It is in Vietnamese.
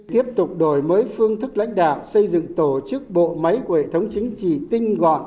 tiếp tục đổi mới phương thức lãnh đạo xây dựng tổ chức bộ máy của hệ thống chính trị tinh gọn